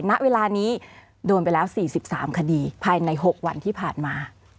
ณเวลานี้โดนไปแล้ว๔๓คดีภายใน๖วันที่ผ่านมา